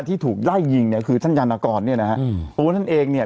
ที่ถูกไล่ยิงเนี่ยคือท่านยานกรเนี่ยนะฮะอืมตัวท่านเองเนี่ย